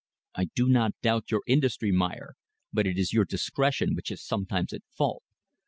"I do not doubt your industry, Meyer, but it is your discretion which is sometimes at fault.